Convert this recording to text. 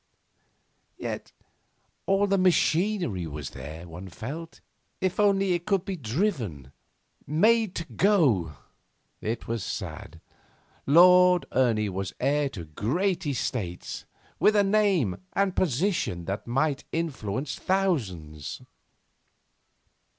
Yet all the machinery was there, one felt if only it could be driven, made to go. It was sad. Lord Ernie was heir to great estates, with a name and position that might influence thousands.